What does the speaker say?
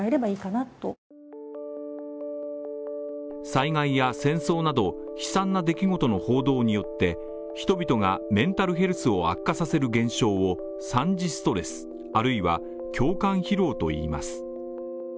災害や戦争など悲惨な出来事の報道によって、人々がメンタルヘルスを悪化させる現象を惨事ストレス、あるいは共感疲労といいます。